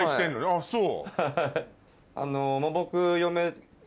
あっそう。